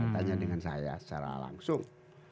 tanya dengan saya secara langsung